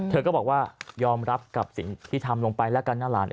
เธอก็บอกว่ายอมรับกับสิ่งที่ทำลงไปแล้วกันนะหลาน